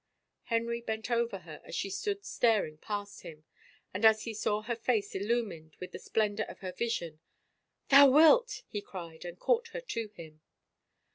Henry bent over her, as she stood staring past him, and as he saw her face illimiined with the splendor of her vision, " Thou wilt!'' he cried and caught her to him.